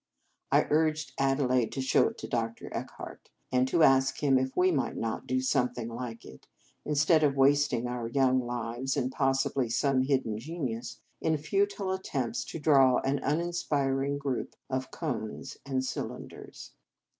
I urged Adelaide to show it to Dr. Eckhart, and to ask him if we might not do something like it, instead of wasting our young lives, and possibly some hidden genius, in futile attempts to draw an uninspiring group of cones and cylinders.